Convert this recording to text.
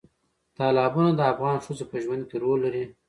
تالابونه د افغان ښځو په ژوند کې رول لري.